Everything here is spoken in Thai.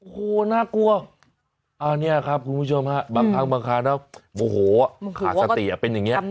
โหน่ากลัวอ่าเนี่ยครับคุณผู้ชมฮะบางครั้งบางครั้งแล้วโอ้โหขาดสติอะเป็นอย่างเงี้ย